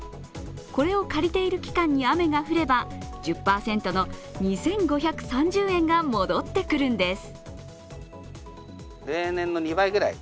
これを借りている期間に雨が降れば１０％の２５３０円が戻ってくるんです。